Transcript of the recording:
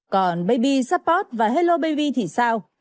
còn baby support và hello baby thì sao